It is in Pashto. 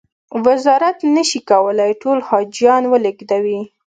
وزارت نه شي کولای ټول حاجیان و لېږدوي.